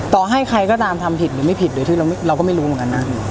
ต่อให้ใครก็ตามทำผิดหรือไม่ผิดโดยที่เราก็ไม่รู้เหมือนกันนะ